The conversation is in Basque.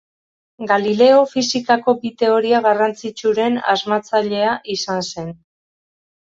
Galileo fisikako bi teoria garrantzitsuren asmatzailea izan zen.